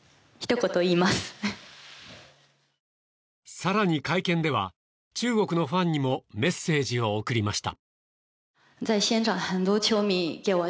更に、会見では中国のファンにもメッセージを送りました。